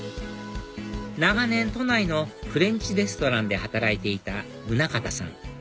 長年都内のフレンチレストランで働いていた宗形さん